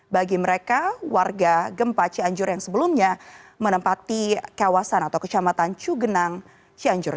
bagi mereka warga gempa cianjur yang sebelumnya menempati kawasan atau kecamatan cugenang cianjur